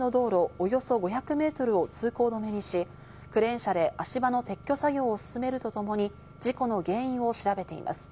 およそ５００メートルを通行止めにし、クレーン車で足場が撤去作業を進めるとともに、事故の原因を調べています。